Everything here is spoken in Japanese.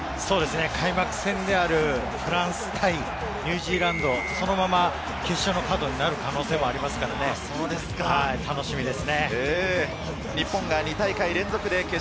開幕戦であるフランス対ニュージーランド、そのまま決勝のカードになる可能性がありますジャパンラグビーリーグワン、首位攻防戦です。